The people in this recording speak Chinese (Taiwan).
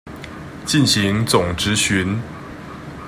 進行總質詢